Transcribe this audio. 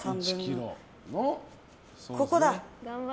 ここだ！